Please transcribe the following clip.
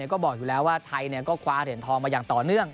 ก็บอกอยู่แล้วว่าไทยก็คว้าเหรียญทองมาอย่างต่อเนื่อง